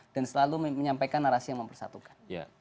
dan selalu menyampaikan narasi yang mempersatukan